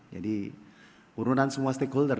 ini urunan semua stakeholder